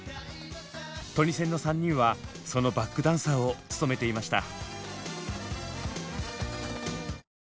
トニセンの３人はそのバックダンサーを務めていました。